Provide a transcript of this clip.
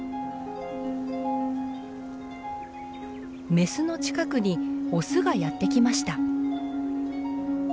メスの近くにオスがやって来ました。